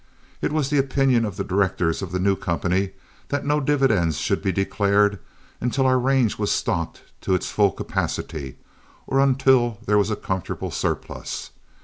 It was the opinion of the directors of the new company that no dividends should he declared until our range was stocked to its full capacity, or until there was a comfortable surplus.